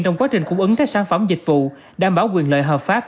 trong quá trình cung ứng các sản phẩm dịch vụ đảm bảo quyền lợi hợp pháp